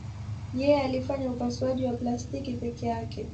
Yeye alifanya upasuaji wa plastiki peke yake.